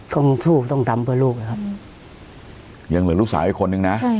ต้องสู้ต้องทำเพื่อลูกนะครับยังเหลือลูกสาวอีกคนนึงนะใช่